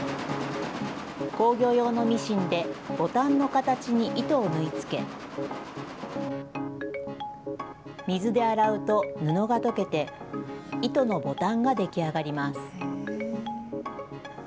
工業用のミシンでボタンの形に糸を縫い付け、水で洗うと、布が溶けて、糸のボタンが出来上がります。